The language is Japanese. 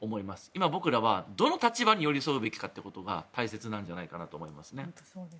今、僕らはどの立場に寄り添うべきかってことが大切なんじゃないかと思いますね。